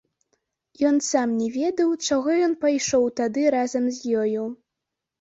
Ён сам не ведаў, чаго ён пайшоў тады разам з ёю.